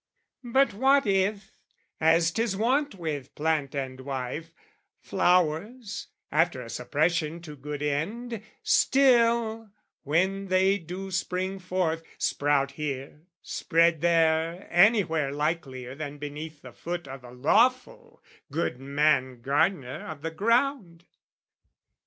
But what if, as 'tis wont with plant and wife, Flowers, after a suppression to good end, Still, when they do spring forth, sprout here, spread there Anywhere likelier than beneath the foot O' the lawful good man gardener of the ground?